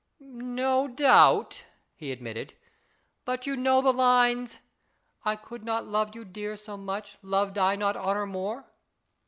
" No doubt," he admitted, " but you know the lines, ' I could not love you, dear, so much, loved I not honour more.'